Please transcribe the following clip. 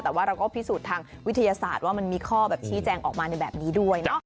แต่ว่าเราก็พิสูจน์ทางวิทยาศาสตร์ว่ามันมีข้อแบบชี้แจงออกมาในแบบนี้ด้วยเนาะ